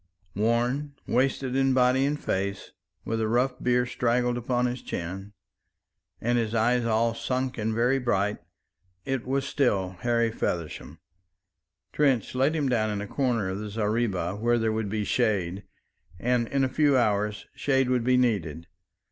Worn, wasted in body and face, with a rough beard straggled upon his chin, and his eyes all sunk and very bright, it was still Harry Feversham. Trench laid him down in a corner of the zareeba where there would be shade; and in a few hours shade would be needed.